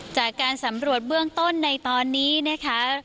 จากการสำรวจเบื้องต้นในตอนนี้นะคะ